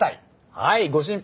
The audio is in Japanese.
はいご心配なく。